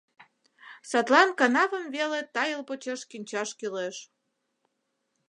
Садлан канавым веле тайыл почеш кӱнчаш кӱлеш.